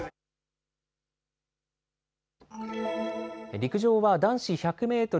陸上は男子１００メートル